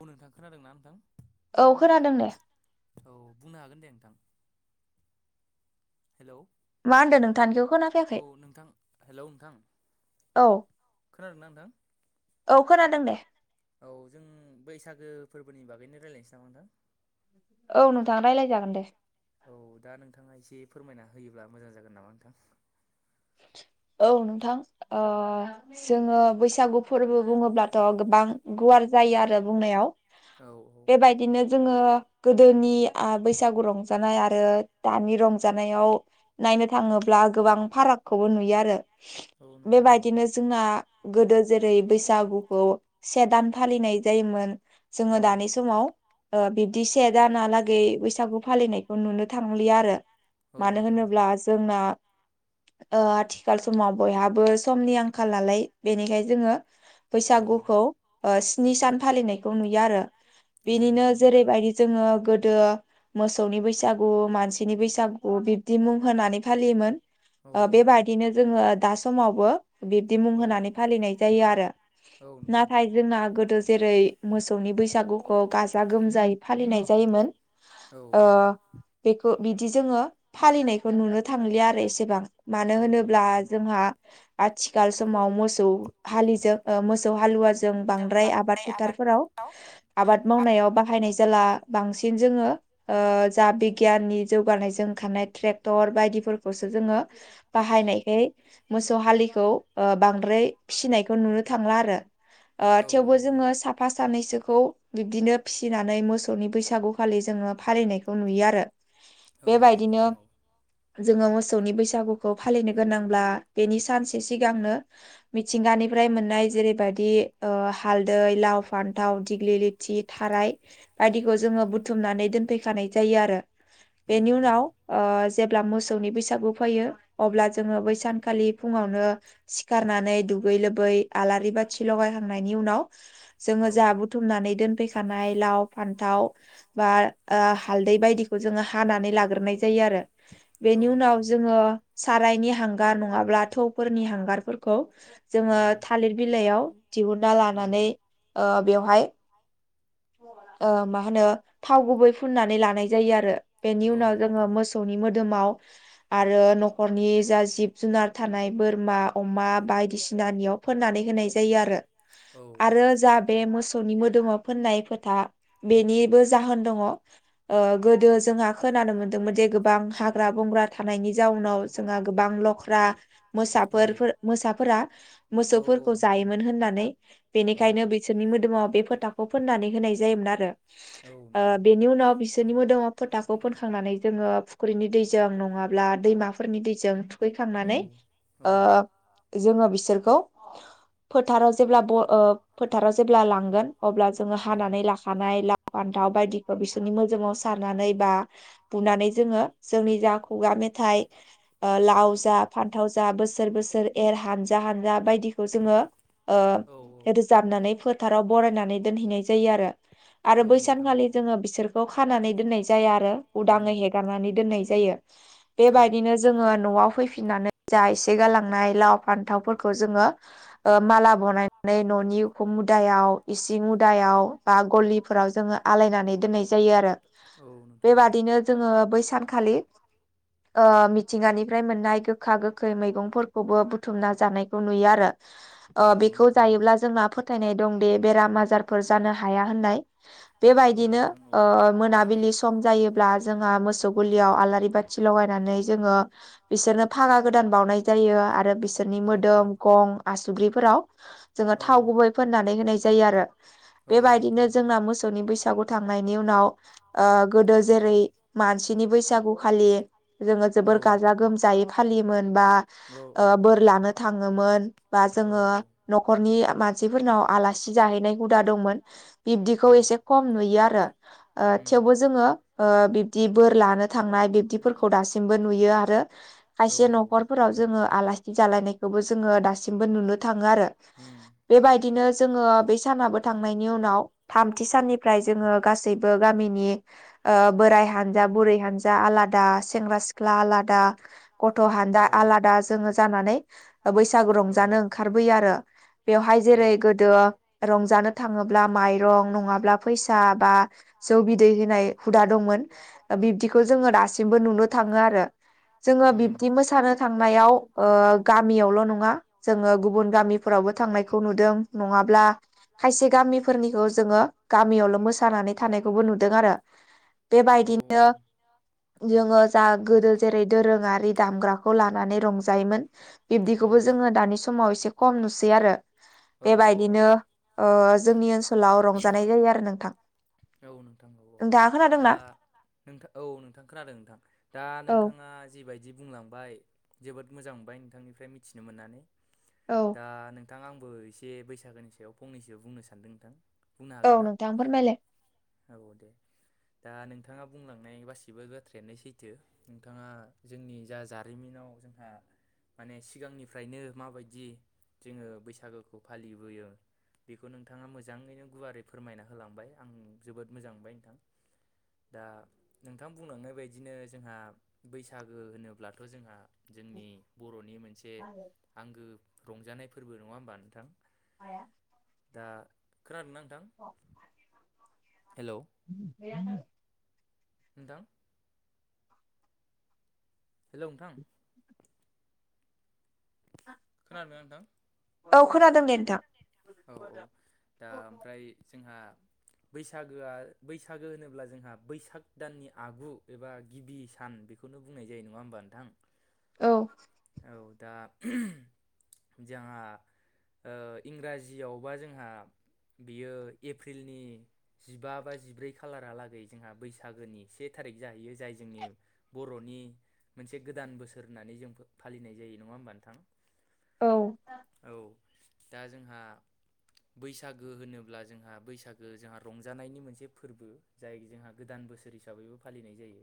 औ नोंथां खोनादोंना नोंथां औ खोनादों दे औ बुंनो हागोन दे नोंथां। हेलौ मा होनदों नोंथांनिखौ औ खोनाफैयाखै नोंथां हेलौ नोंथां औ खोनादोंना नोंथां औ खोनादों दे औ जों बैसागो फोरबोनि बागैनो रायज्लायनोसै नामा नोंथां। औ नोंथां रायज्लाय जागोन दे। औ दा नोंथाङा एसे फोरमायना होयोब्ला मोजां जागोन नामा नोंथां। औ नोंथां ओ जोंङो बैसागु फोरबो बुङोब्लाथ' गोबां गुवार जायो आरो बुंनायाव औ बेबायदिनो जोंङो गोदोनिआ बैसागु रंजानाय आरो दानि रंजानायाव नायनो थाङोब्ला गोबां फारागखौबो नुयो आरो औ नोंथां औ बेबायदिनो जों ना गोदो जेरै बैसागुखौ से दान फालिनाय जायोमोन जोंङो औ दानि समाव बिब्दि से दानालागै बैसागु फालिनाय नुनो थांलि आरो औ मानो नोंथां औ होनोब्ला जोंना ओ आथिखाल समाव बयहाबो समनि आंखाल नालाय बेनिखायनो जोङो बैसागुखौ स्नि सान फालिनायखौ नुयो आरो औ बेनिनो नोंथां औ जेरैबायदि जों गोदो मोसौनि बैसागु मानसिनि बैसागु बिबदि मुं होनानै ज फालियोमोन ओ औ-औ बेबायदिनो जोङो दा समावबो बिब्दि मुं औ होनानै फालिनाय जायो आरो औ नोंथां नाथाय जोंना गोदो जेरै मोसौनि बैसागु खौ गाजा गोमजायै फालिनाय जायोमोन औ ओ बेखौ बिदि जोङो फालिनायखौ नुनो थांलिया आरो एसेबां मानो औ-औ-औ होनोब्ला नोंथां औ जोंहा आथिखाल समाव मोसौ हालिजों ओ मोसौ हालुवाजों बांद्राय आबाद फोथारफोराव आबाद मावनायाव बाहायनाय जाला बांसिन जोङो ओ जा बिगियाननि जौगानायजों ओंखारनाय ट्रेक्टर बायदिफोरखौसो जोङो बाहायनायखाय मोसौ हालिखौ ओ बांद्राय फिसिनायखौ नुनो थांला आरो ओ थेवबो औ-औ-औ जोङो साफा- साफ सानैसोखौ बिब्दिनो फिसिनानै मोसौनि बैसागुखालि जोङो फालिनायखौ नुयो आरो औ-औ बेबायदिनो नोंथां औ जोंऔ मोसौनि बैसागु बैसागुखौ फालिनो गोनांब्ला बेनि सानसे सिगांनो मिथिंगानिफ्राय मोननाय जेरैबायाददि ओ हालदै लाव फान्थाव दिग्लि लि थि थाराय बायदिखौ जोङो बुथुमनानै दोनफैखानाय जायो आरो बेनि उम-उम उनाव ओ जेब्ला मोसौनि बैसागु फैयो अब्ला जोङो बै सानखालि फुङावनो सिखारनानै दुगै लोबै आलारि बाथि लगायखांनायनि उनाव जोङो औ जोंहा बुथुमनानै दोनफैखानाय लाव फानथाव बा ओ हालदै बायदिखौ जोङो हानानै लाग्रोनाय जायो आरो बेनि औ उनाव नोंथां औ-औ औ जोङो सारायनि हांगार नंआबा थौफोरनि हंगारफोरखौ जोङो औ थालिर बिलाइयाव दिहुनना लानानै ओ बेवहाय ओ मा होनो थाव गुबै फुननानै लानाय जायो आरो बेनि उनाव जोङो नोंथां मोसौनि मोदोमाव आरो न'खरनि जा जिब जुनार थानाय बोरमा अमा बायदिसिनानियाव फोननानै होनाय जायो आरो औ औ आरो जा बे मोसौनि मोदोमाव फोननाय फोथा बेनिबो जाहोन दङ ओ गोदो जोंहा खोनानो मोनदोंमोन जे गोबां हाग्रा बंग्रा थानायनि जाउनाव जोंहा गोबां लख्रा औ मोसाफोर मोसाफोरा औ मोसौफोरखौ नोंथां जायोमोन होननानै औ बेनिखायनो बिसोरनि मोदोमाव बे फोथा खौ फोननानै होनाय जायोमोन आरो औ ओ नोंथां औ बेनि उनाव बिसोरनि मोदोमाव फोथाखौ फोनखांनानै जोङो फुख्रिनि दैजों नङाब्ला दैमाफोरनि दैजों थुखै खांनानै ओ जोङो बिसोरखौ फोथाराव जेब्ला ब ओ फोथाराव जेब्ला लांगोन अब्ला जोङो हाखानाय लाव फान्थाव बायदिखौ बिसोरनि मोदोमाव सारनानै बा बुनानै जोङो जोंनि जा खुगा मेथाइ। ओ लाव जा फान्थाव जा बोसोर बोसोर एर हानजा हानजा बायदिखौ जोङो। ओ रोजाबनानै फोथाराव बरायनानै दोनहैनाय जायो आरो। आरो नोंथां औ बैसानखालि जोङो बिसोर। बेखौ खानानै दोननाय जाया आरो उम उदाङै हेगारनानै दोननाय जायो। औ बेबायदिनो जोङो न'आव फैफिननानै जा एसे गालांनाय लाव फान्थावफोरखौ जोङो। ओ माला बनायनानै न'नि उखुम मुदायाव इसिं उदायाव बा गलिफोराव जोङो आलायनानै दोननाय जायो आरो जायो आरो ओ बेबादिनो जोङो बै सानखालि। ओ मिथिंगानिफ्राय मोननाय गोखा गोखै मैगंफोरखौबो बुथुमना जानायखौ नुयो आरो। बारा अ बेखौ जायोब्ला जोंना फोथायनाय दं दे बेराम आजारफोर जानो हाया होननाय बे औ बायदि नो नोंथां ओ मोनाबिलि सम सम जायोब्ला जोंहा मोसौ गुलियाव आलारि बाथि लगायनानै जोङो बिसोरनो फागा गोदान बावनाय जायो आरो बि बिसोरनि औ औ मोदोम गं आसुब्रिफोराव जोङो औ थाव गुबै फोननानै होनाय जायो आरो। औ नोंथां बेबायदिनो औ जोंना मोसौनि बैसागु थांनायनि उनाव ओ गोदो जेरै मानसिनि बैसागु खालि। जोङो जोबोर औ गाजा गोमजायै फालियोमोन बा बा ओ जोङो बोर लानो थाङोमोन बा जोङो न'खरनि मानसिफोरनाव आलासि जाहैनाय हुदा दंमोन। बेखौ खम नुयो आरो ओ थेवबो जोङो खायसे न'खरफोराव बिब्दिखौ एसे खम नुयो आरो। ओ थेवबो जोङो ओ बिब्दि बोर लानो थांनाय बिब्दिफोरखौ दासिमबो नुयो आरो। खायसे न'खरफोराव जोङो आलासि जालायनायखौबो जोङो दासिमबो नुनो थाङो आरो बेबायदिनो जोङो बे सानाबो थाङो बेनि उनाव थामथि साननिफ्राय जोङो गासैबो गामिनि ओ बोराइ हानजा बुरै हानजा आलादा सेंग्रा सिख्ला आलादा गथ' हान्जा थाङो आरो आलादा जोङो जानानै बैसागु रंजानो ओंखारबोयो आरो। बेवहाय ओंखारबोयो जेरै आरो गोदो रंजानो थाङोब्ला माइरं नङाब्ला फैसा बा। जौ बिदै होनाय हुदा दंमोन बिब्दिखौ जोङो दासिमबो नुनो थाङो आरो। जोङो बिब्दि मोसानो थांनायाव ओ गामियावल' नङा। जोङो गुबुन गामिफोरावबो थांनायखौ नुदों नङाब्ला। खायसे गामिफोरनिखौ जोङो गामियावल' मोसानानै थानायखौबो नुदों आरो। औ बेबायदिनो औ। जोङो जा गोदो जेरै दोरोङारि दामग्राखौ लानानै रंजायोमोन बिब्दिखौबो जोङो दानि समाव एसे खम नुसै आरो औ बेबायदिनो ओ जोंनि ओनसोलाव रंजानाय जायो आरो नोंथां। औ नोंथां औ औ नोंथाङा दा खोनादोंना नोंथां औ नोंथां खोनादों नोंथां दा औ नोंथाङा। जिबायदि बुंलांबाय जोबोद मोजां मोनबाय नोंथांनिफ्राय मिथिनो मोननानै। औ। दा नोंथां आंबो एसे बैसागोनि सायाव फंनैसो बुंनो सानदों नोंथां। बुंनो औ हागोनना? नोंथां फोरमायलाय औ दे दा नोंथाङा बुंलांनाय गासिबो बाथ्रायानो सैथो थो नोंथाङा जोंनि जा जारिमिनाव जोंहा माने सिगांनिफ्रायनो माबायदि जोंङो बैसागोखौ फालिबोयो बेखौ नोंथाङा मोजाङैनो गुवारै फोरमायना होलांबाय आं जोबोद मोजां मोनबाय नोंथां। दा नोंथां बुंलांनाय बायदिनो जोंहा बैसागो होनोब्लाथ' जोंहा जोंनि बर'नि मोनसे आंगो रंजानाय फोरबो नङा होमबा नोंथां? माया? दा खोनादोंना नोंथां? [inaudible] हेल [unintelligible] नोंथां हेलौ नोंथां? खोनादोंना नोंथां? औ खोनादों दे नोंथां। औ औ दा ओमफ्रायो जोंहा बैसागोआ बैसागो होनोब्ला जोंहा बैसाग दाननि आगु एबा गिबि सान बेखौनो बुंनाय जायो नङा होमबा नों औ। औ दा जोंहा ओ इंराजियावबा जोंहा बियो एप्रिलनि जिबा बा जिब्रै खालारालागै जोंहा बैसागोनि से थारिक जाहैयो जाय जोंनि बर'नि मोनसे गोदान बोसोर होननानै जों फालिनाय जायो नङा होमबा नोंथां औ औ दा जोंहा। बैसागो होनोब्ला जोंहा बैसागो जोंहा रंजानायनि मोनसे फोरबो। जाय जोंहा गोदान बोसोर हिसाबैबो फालिनाय जायो।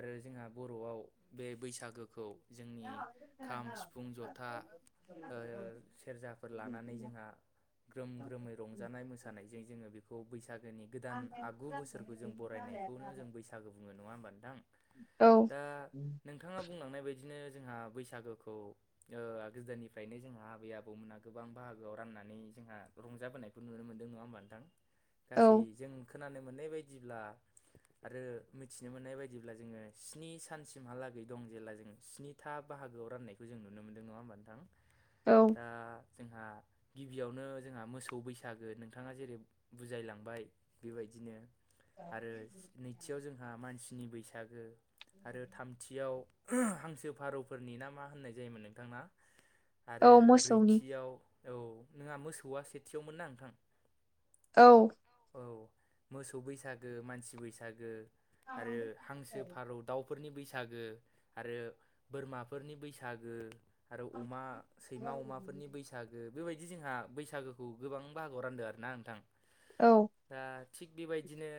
आरो जोंहा बर'आव बे बैसागोखौओ जोंनि खाम, सिफुं, जथा ओ सेरजाफोर लानानै जोंहा ग्रोम ग्रोमै रंजानाय मोसानायजों जोङो बेखौ बैसागोनि गोदान आगु बोसोरखौ जों बराय खौनो जों बैसागु बुङो नङा होमबा नोंथां? औ। दा नोंथाङा बुंलांनाय बायदिनो जोंहा बैसागोखौ ओ गोदोनिफ्रायनो जोंहा आबै-आबौमोनहा गोबां बाहागोआव राननानै जोंह रंजाबोनायखौ नुनो मोन्दों नङा होमबा नोंथां? औ गासै जों खोनानो मोननाय बायदिब्ला आरो मिथिनो मोननाय बायदिब्ला जोङो स्नि सानसिमहालागै दं जेला जोङो स्निथा बाहागोआव राननायखौ जों नुनो मोन्दों नङा होमबा नोंथां? औ। दा जोंहा गिबियावनो जोंहा मोसौ बैसागो नोंथाङा जेरै बुजायलांबाय बेबादिनो। आरो नैथियाव जोंहा मानसिनि बैसागो आरो थामथियावो खौ हांसो फारौफोरनि ना मा होननाय जायोमोन नोंथां ना? आरो औ मोसौनि ब्रैथियाव औ नोंङा मोसौआ सेथियावमोन ना नोंथां? औ। औ मोसौ बैसागो, मानसि बैसागो औ आरो हांसो, फारौ, दाउफोरनि बैसागो आरो बोरमाफोरनि बैसागो आरो अमा, सैमा, अमाफोरनि बैसागो सागो बेबायदि जोंहा बैसागोखौ गोबां बाहागोआव रानदों आरोना नोंथां। औ। ओ दा थिग बेबायदिनो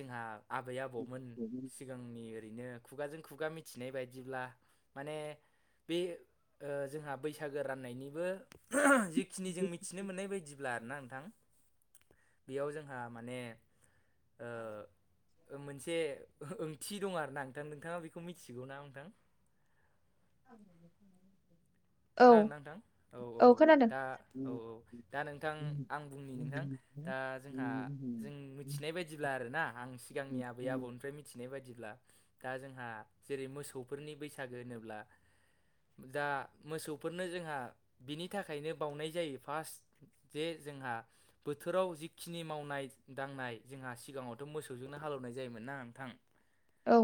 जोंहा आबै आबौमोन सि जोंनि ओरैनो खुगाजों खुगा मिथिनाय बाय [unintelligible] दिब्ला माने बे ओ जोंहा बैसागो राननायनिबो [unintelligible] जिखिनि जों मिथिनो मोननाय बायदिब्ला आरोना नोंथां। बेयाव जोंहा माने ओ मोनसे ओंथि दं आरो ना नोंथां नोंथाङा बेखौ मिथिगौ ना नोंथां [inaudible] खोनादों ना नोंथां औ औ दा औ औ दा नोंथां आं बुंनि नोंथां दा जोंहा जों मिथिनाय बायदिब्ला आर ना आं सिगांनि आबै आबौनिफ्राय मिथि मिथिनाय बायदिब्ला दा जोंहा जेरै मोसौफोरनि बैसागो होनोब्ला दा मोसौफोरनो जोंहा बिनि थाखायनो बावनाय जायो फास्ट जे जोंहा बोथोराव जिखिनि मावनाय दांनाय जोंहा सिगाङावथ' मोसौजोंनो हालौवनाय जायोमोन ना नोंथां [inaudible] औ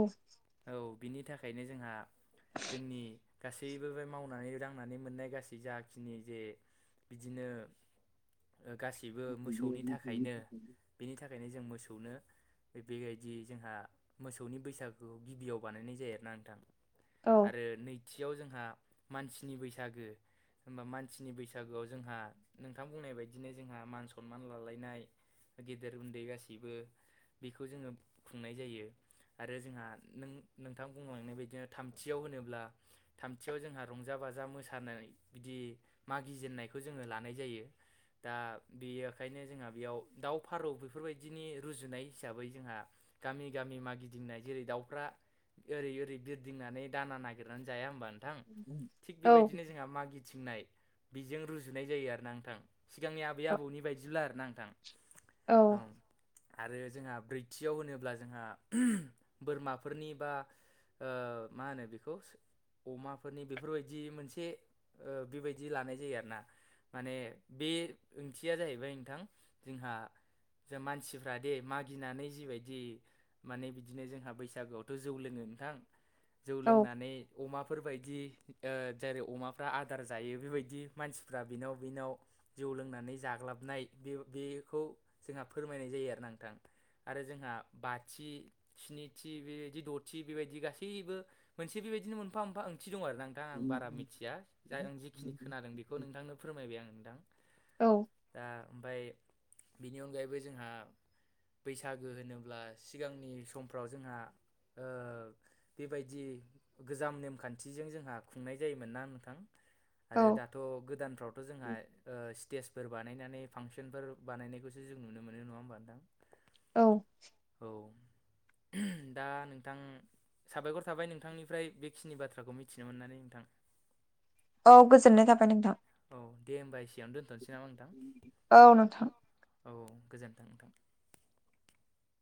औ बिनि थाखायनो जोंहा जोंनि गासैबो बे मावनानै रांनानै मोननाय गासै जा खिनि जे बिदिनो ओ गासैबो मोसौनि थाखायनो बेनि थाखायनो जों मोसौनो बेबायदि जोंहा मोसौनि बैसागुखौ गिबियाव बानायनाय जायो आरोना नोंथां औ आरो नैथियाव जोंहा मानसिनि बैसागो होमबा मानसिनि बैसागोआव जोंहा नोंथां बुंनाय बायदिनो जोंहा मान सनमान लालायनाय गेदेर उन्दै गासैबो बेखौ जोङो खुंनाय जायो। आरो जोंहा नों नोंथां बुंलांनाय बायदिनो थामथियाव होनोब्ला थामथियाव जोंहा रंजा बाजा मोसानाय बिदि मागिजेनन्नायखौ जोङो लानाय जायो। दा बेयो खायनो जोंहा बेयाव दाव फारौ बेफोरबायदिनि रुजुनाय हिसाबै जोंहा गामि गामि मागिदिंनाय जेरै दाउफ्रा ओरै ओरै बिरदिंनानै दाना नागिरनानै जाया होमबा नोंथां [inaudible] थिग बेबायदिनो जोंहा मागिथिंनाय बेजों रुजुनाय जायो आरोना नोंथां सिगांनि आबै आबौनि बायदिब्ला आरो ना नोंथां औ आरो जोंहा ब्रैथियाव होनोब्ला जोंहा बोरमाफोरनि बा ओ मा होनो बेखौ अमाफोरनि बेफोरबायदि मोनसे ओ बेबायदि लानाय जायो आरो ना माने बे ओंथिया जाहैबाय नोंथां जोंहा जों मानसिफ्रा दे मागिनानै जिबायदि माने बिदिनो जोंहा बैसागोआवथ' जौ लोङो नोंथां जौ औ लोंनानै अमाफोरबायदि ओ जेरै अमाफ्रा आदार जायो बेबायदि मानसिफ्रा बिनाव बिनाव जौ लोंनानै जाग्लाबनाय बे बेखौ जोंहा फोरमायनाय जायो आरो नोंथां आरो जोंहा बाथि स्निथि बेबायदि द'थि बेबायदि गासैबो मोनसे बेबायदिनो मोनफा मोनफा ओंथि दं आरो ना नों नोंथां आं बारा मिथिया जा आं जिखिनि खोनादों बेखौ नोंथांनो फोरमायबाय आं नोंथां औ दा ओमफ्राय बेनि अनगायैबो जोंहा बैसागो होनोब्ला सिगांनि समफ्राव जोंहा ओ बेबायदि गोजाम नेमखान्थिजों जोंहा खुंनाय जायोमोन ना नोंथां आरो दा थ' गोदानफ्रावथ' जोंहा ओ स्टेजफोर बानायनानै फांसनफोर बानायनायखौ जों नुनो मोनो नङा होमबा नोंथां औ औ दा नोंथां साबायखर थाबाय नोंथांनिफ्राय बेखिनि बाथ्राखौ मिथिनो मोननानै। नोंथां औ गोजोननाय थाबाय नोंथां। औ दे होमबा एसेयावनो दोनथ'नोसै नामा नोंथां औ नोंथां औ गोजोनथों नोंथां।